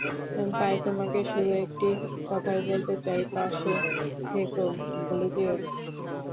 তাই তোমাকে শুধু একটি কথাই বলতে চাই, পাশে থেকো, ভুলে যেয়ো না।